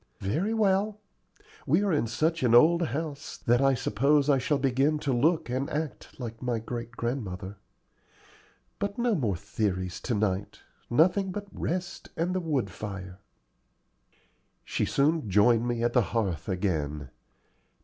"Very well. We are in such an old house that I suppose I shall begin to look and act like my great grandmother. But no more theories to night nothing but rest and the wood fire." She soon joined me at the hearth again.